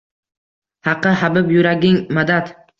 Haqqa habib yuraging – madad